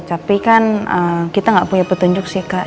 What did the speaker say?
tapi kan kita nggak punya petunjuk sih kak